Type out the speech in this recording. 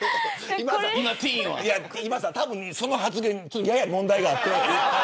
今田さん、たぶんその発言やや問題があって。